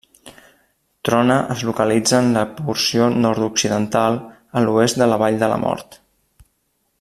Trona es localitza en la porció nord-occidental a l'oest de la Vall de la Mort.